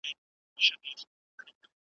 پر پچه وختی کشمیر یې ولیدی .